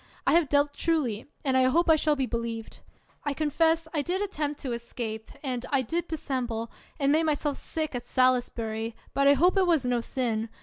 I have dealt truly, and I hope I shall be believed. I confess I did attempt to escape, and I did dissemble, and made myself sick at Salis bury, but I hope it was no sin.